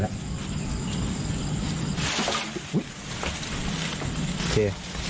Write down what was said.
โอเค